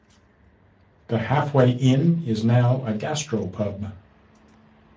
The Halfway Inn is now a Gastropub.